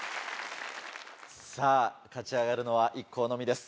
さぁ勝ち上がるのは１校のみです。